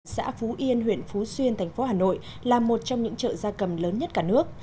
xã phú yên huyện phú xuyên thành phố hà nội là một trong những chợ gia cầm lớn nhất cả nước